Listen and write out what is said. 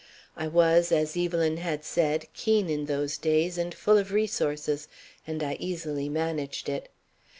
I was, as Evelyn had said, keen in those days and full of resources, and I easily managed it.